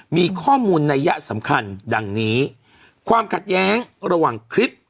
มีข้อมูลนัยยะสำคัญดังนี้ความขัดแย้งระหว่างคลิป